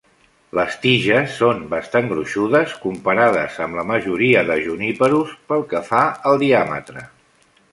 Les tiges són bastant gruixudes comparades amb la majoria de 'juniperus', pel que fa al diàmetre.